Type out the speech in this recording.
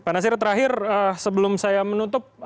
pak nasir terakhir sebelum saya menutup